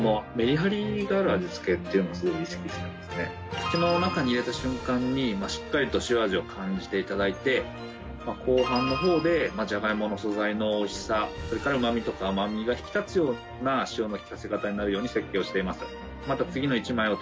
口の中に入れた瞬間にしっかりと塩味を感じて頂いて後半の方でジャガイモの素材のおいしさそれからうまみとか甘みが引き立つような塩の利かせ方になるように設計をしています。